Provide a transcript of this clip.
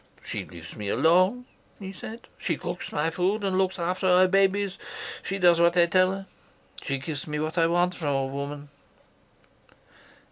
"'She leaves me alone,' he said. 'She cooks my food and looks after her babies. She does what I tell her. She gives me what I want from a woman.'